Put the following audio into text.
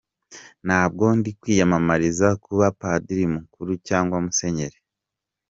Ntabwo ndi kwiyamamariza kuba Padiri mukuru cyangwa Musenyeri !